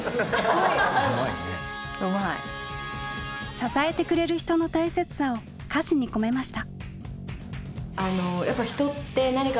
支えてくれる人の大切さを歌詞に込めました。